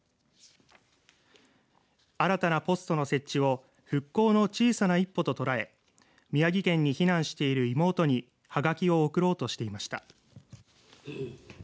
新たなポストの設置を復興の小さな一歩と捉え宮城県に避難している妹にはがきを送ろうとしていました。